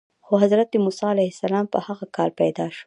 خو حضرت موسی علیه السلام په هغه کال پیدا شو.